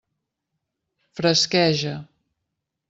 Fresqueja.